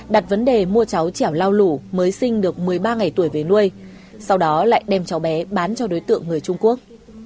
đặt vấn đề mua cháu trèo lau lủ mới sinh được một mươi ba ngày tuổi về nuôi sau đó lại đem cháu bé bán cho đối tượng người trung quốc